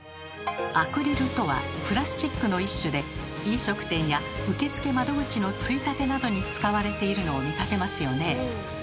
「アクリル」とはプラスチックの一種で飲食店や受付窓口のついたてなどに使われているのを見かけますよね。